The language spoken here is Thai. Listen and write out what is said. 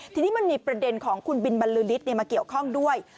ทีนี้มันมีประเด็นของคุณบินบรรลือฤทธิ์มาเกี่ยวข้องด้วย